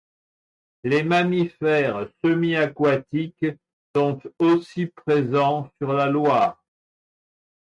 Les mammifères semi-aquatiques sont aussi présents sur la Loire.